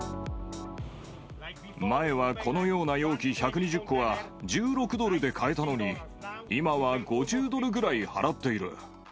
前はこのような容器１２０個は１６ドルで買えたのに、今は５０ドルぐらい払っている。